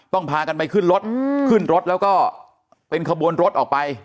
พากันไปขึ้นรถขึ้นรถแล้วก็เป็นขบวนรถออกไป